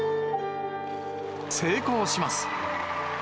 成功します。